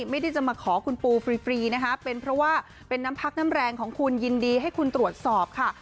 ไม่ได้จะมาขอคุณปูฟรีนะคะเป็นเพราะว่าเป็นน้ำพักน้ำแรงของคุณยินดีให้คุณตรวจสอบค่ะ